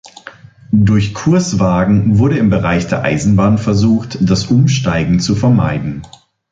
Durch Kurswagen wurde im Bereich der Eisenbahn versucht, das Umsteigen zu vermeiden.